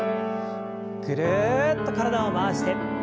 ぐるっと体を回して。